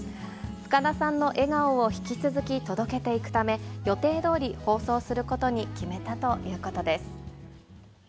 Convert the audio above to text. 深田さんの笑顔を引き続き届けていくため、予定どおり、放送することに決めたということです。